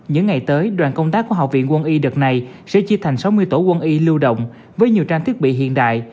những ngày tới đoàn công tác của học viện quân y đợt này sẽ chia thành sáu mươi tổ quân y lưu động với nhiều trang thiết bị hiện đại